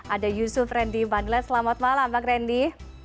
ada yusuf rendy bandilet selamat malam pak rendy